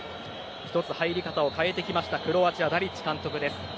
１つ入り方を変えてきたクロアチアのダリッチ監督。